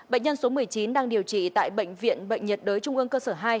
bệnh nhân số một mươi chín đang điều trị tại bệnh viện bệnh nhiệt đới trung ương cơ sở hai